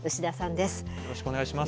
よろしくお願いします。